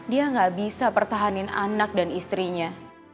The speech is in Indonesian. dia gak bisa pertahanin anak dan istrinya